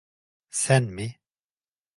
Sen mi?